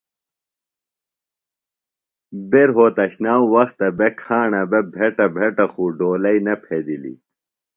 بےۡ رہوتشنام وختہ بےۡ کھاݨہ بےۡ بھیٹہ بھیٹہ خوۡ ڈولئی نہ پھیدیلیۡ